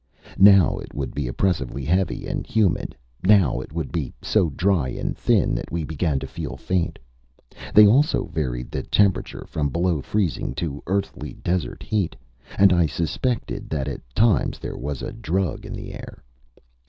Now it would be oppressively heavy and humid; now it would be so dry and thin that we began to feel faint. They also varied the temperature, from below freezing to Earthly desert heat. And I suspected that at times there was a drug in the air.